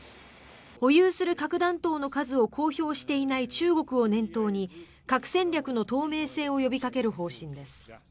保有する核弾頭の数を公表していない中国を念頭に核戦略の透明性を呼びかける方針です。